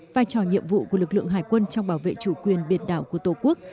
vai trò nhiệm vụ của lực lượng hải quân